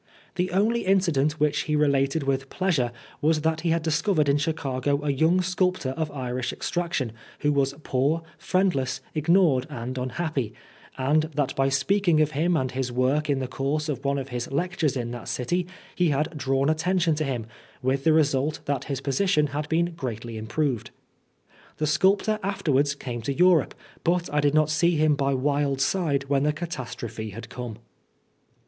The only incident which he related with pleasure was that he had discovered in Chicago a young sculptor of Irish extraction, who was poor, friendless, ignored, and unhappy ; and that by speaking of him and his work in the course of one of his lectures in that city, he had drawn attention to him, with the result that his position had been greatly improved. The sculptor afterwards came to Europe, but I did not see him by Wilde's side when the catastrophe had come.